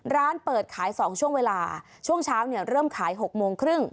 ร้านเปิดขาย๒ช่วงเวลาช่วงเช้าเนี่ยเริ่มขาย๖โมงครึ่ง